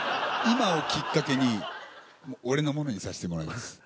今をきっかけに俺のものにさせてもらいます。